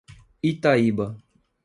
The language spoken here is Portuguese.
Itaíba